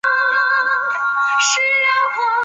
角蒿是紫葳科角蒿属的植物。